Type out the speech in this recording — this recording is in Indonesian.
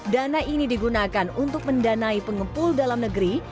dana ini digunakan untuk mendanai pengepul dalam negeri